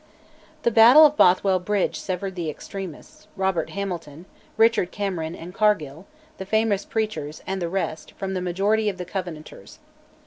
The battle of Bothwell Bridge severed the extremists, Robert Hamilton, Richard Cameron and Cargill, the famous preachers, and the rest, from the majority of the Covenanters.